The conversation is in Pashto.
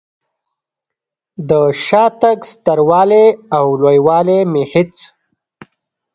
د شاتګ ستر والی او لوی والی مې هېڅ.